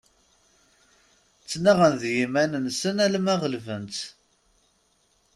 Ttenaɣen d yiman-nsen alamma ɣelben-tt.